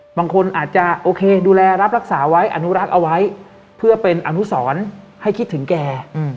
บางคนอาจจะโอเคดูแลรับรักษาไว้อนุรักษ์เอาไว้เพื่อเป็นอนุสรให้คิดถึงแก